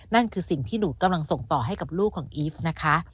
นั่นคือสิ่งที่หนูกำลังส่งต่อให้กับลูกของอีฟนะคะ